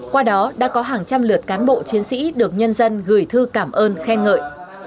qua đó đã có hàng trăm lượt cán bộ chiến sĩ được nhân dân gửi thư cảm ơn khen ngợi